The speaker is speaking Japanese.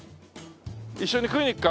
一緒に食いに行くか？